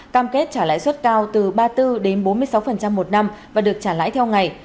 cam kết trả lãi suất cao từ ba mươi bốn đến bốn mươi sáu một năm và được trả lãi theo ngày